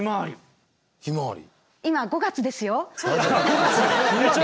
ひまわり。